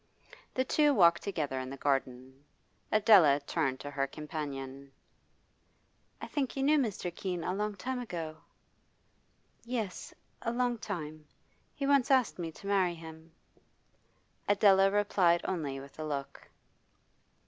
The two walked together in the garden. Adela turned to her companion. 'I think you knew Mr. Keene a long time ago?' 'Yes, a long time. He once asked me to marry him.' Adela replied only with a look.